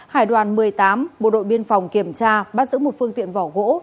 hải đoàn một mươi tám bộ đội biên phòng kiểm tra bắt giữ một phương tiện vỏ gỗ